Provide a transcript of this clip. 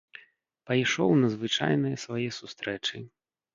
Пайшоў на звычайныя свае сустрэчы.